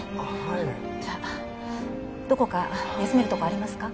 はいじゃあどこか休めるとこありますか？